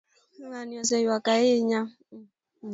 ng'ani oseyuak ahinya